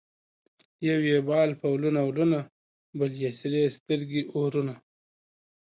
یو یې بال په ولونه ولونه ـ بل یې سرې سترګې اورونه